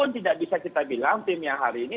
tidak bisa kita bilang tim yang hari ini